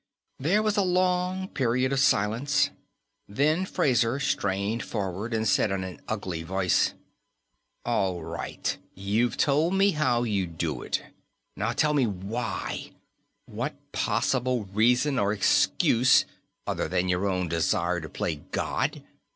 There was a long period of silence. Then Fraser strained forward and said in an ugly voice: "All right You've told me how you do it. Now tell me why. What possible reason or excuse, other than your own desire to play God?